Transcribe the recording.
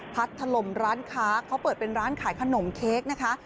ถล่มร้านค้าเขาเปิดเป็นร้านขายขนมเค้กนะคะ